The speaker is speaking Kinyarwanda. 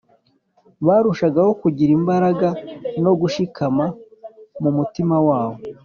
barushagaho kugira imbaraga no gushikama mu mutima wabo